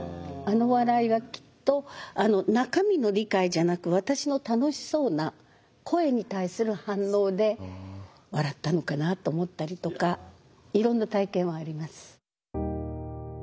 あの笑いはきっと中身の理解じゃなく私の楽しそうな声に対する反応で笑ったのかなと思ったりとかいろんな体験はあります。